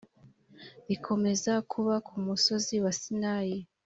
rikomeze kuba ku musozi wa sinayi